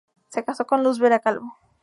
Se casó con 'Luz Vera Calvo".